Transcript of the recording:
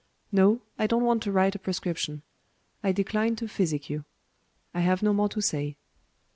No: I don't want to write a prescription. I decline to physic you. I have no more to say."